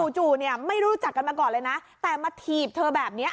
จู่เนี่ยไม่รู้จักกันมาก่อนเลยนะแต่มาถีบเธอแบบนี้